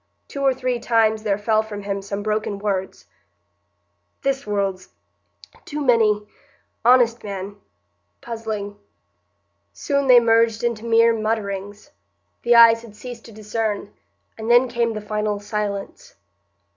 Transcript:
Two or three times there fell from him some broken words,— "This world's—too many—honest man—puzzling——" Soon they merged into mere mutterings; the eyes had ceased to discern; and then came the final silence.